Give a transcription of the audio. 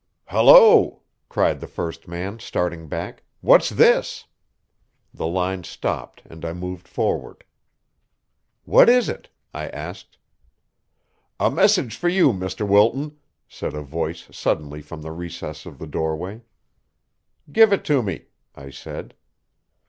"Hello!" cried the first man, starting back. "What's this?" The line stopped, and I moved forward. "What is it?" I asked. "A message for you, Mr. Wilton," said a voice suddenly from the recess of the doorway. "Give it to me," I said.